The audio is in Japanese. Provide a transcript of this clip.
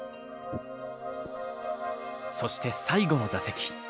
そして最後の打席。